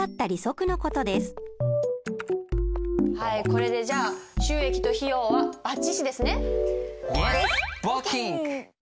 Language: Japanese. これでじゃあ収益と費用はばっちしですね。